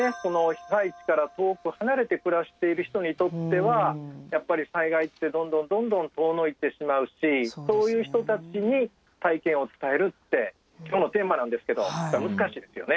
被災地から遠く離れて暮らしている人にとってはやっぱり災害ってどんどんどんどん遠のいてしまうしそういう人たちに体験を伝えるって今日のテーマなんですけど難しいですよね。